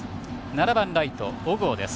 ７番、ライト、小郷です。